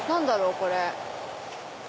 これ。